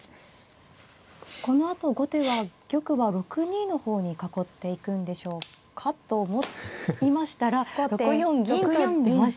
このあと後手は玉は６二の方に囲っていくんでしょうかと思いましたら６四銀と出ましたね。